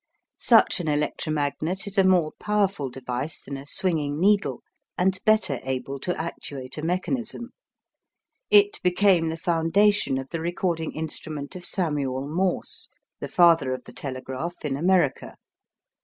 Such an electromagnet is a more powerful device than a swinging needle, and better able to actuate a mechanism. It became the foundation of the recording instrument of Samuel Morse, the father of the telegraph in America.